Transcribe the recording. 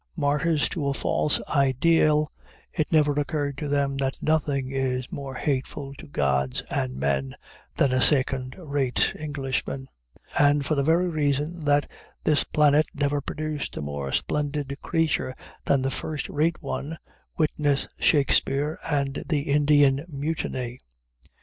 Martyrs to a false ideal, it never occurred to them that nothing is more hateful to gods and men than a second rate Englishman, and for the very reason that this planet never produced a more splendid creature than the first rate one, witness Shakespeare and the Indian Mutiny.